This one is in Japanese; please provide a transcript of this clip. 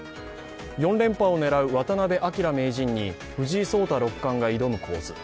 ４連覇を狙う渡辺明名人に藤井聡太六冠挑む形。